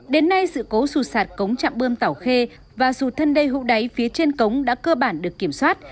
đến nay sự cố sụt sạt cống chạm bơm tảo khê và sụt thân đê hũ đáy phía trên cống đã cơ bản được kiểm soát